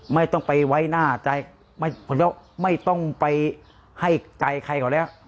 ไม่ต้องไปไว้หน้าใจไม่ต้องไปให้ใจใครเขาแล้ว